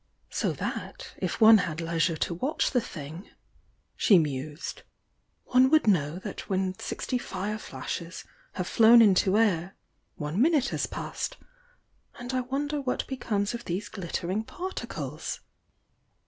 "So that, if one had leisure to watch the thing," she mused, "one would know that when sixty fire flashes have flown into air, one minute has passed. And I wonder what becomes of these glittering par ticles?"